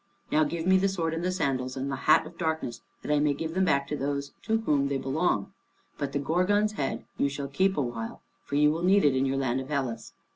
Now give me the sword and the sandals, and the hat of darkness, that I may give them back to those to whom they belong. But the Gorgon's head you shall keep a while, for you will need it in your land of Hellas."